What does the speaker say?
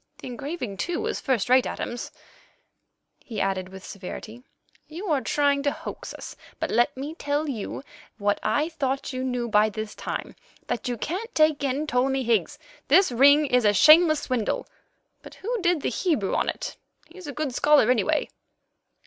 The engraving, too, is first rate. Adams," he added with severity, "you are trying to hoax us, but let me tell you what I thought you knew by this time—that you can't take in Ptolemy Higgs. This ring is a shameless swindle; but who did the Hebrew on it? He's a good scholar, anyway."